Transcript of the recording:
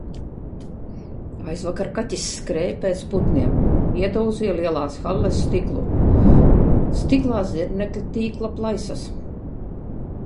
Aizvakar kaķis skrēja pēc putniem, iedauzīja lielās halles stiklu. Stiklā zirnekļtīkla plaisas.